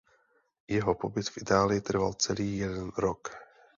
Jeho pobyt v Itálii trval celý jeden rok.